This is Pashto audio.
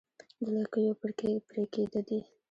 د لکيو پرې کېده دي